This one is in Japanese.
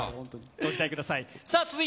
ご期待ください。